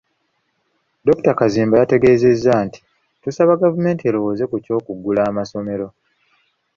Dr. Kazimba yategeezezza nti, tusaba gavumenti erowooze ku ky’okuggula amasomero.